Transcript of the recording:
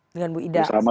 dengan bu ida